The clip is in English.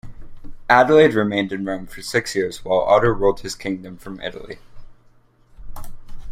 Adelaide remained in Rome for six years while Otto ruled his kingdom from Italy.